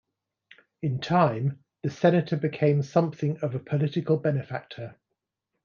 In time, the senator became something of a political benefactor.